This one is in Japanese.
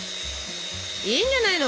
いいんじゃないの？